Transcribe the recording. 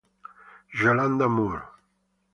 Yolanda Moore